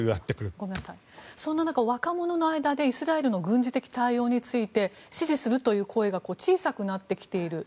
そんな中、若者の中でイスラエルの軍事的対応について支持するという声が小さくなってきている。